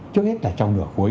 trước hết là trong nửa cuối